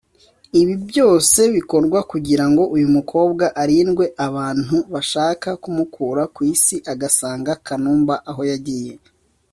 Ibi byose bikorwa kugira ngo uyu mukobwa arindwe abantu bashaka kumukura ku isi agasanga Kanumba aho yagiye